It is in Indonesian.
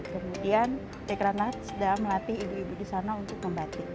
kemudian dekrana sudah melatih ibu ibu di sana untuk membatik